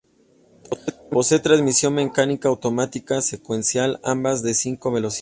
Posee transmisión mecánica o automática secuencial, ambas de cinco velocidades.